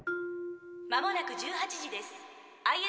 「まもなく１８時です。